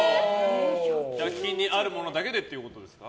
１００均にあるものだけでということですか？